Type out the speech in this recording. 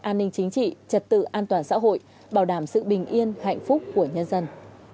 an ninh chính trị trật tự an toàn xã hội bảo đảm sự bình yên hạnh phúc của nhân dân